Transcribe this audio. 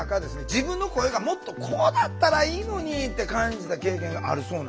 自分の声がもっとこうだったらいいのにって感じた経験があるそうなんですよね。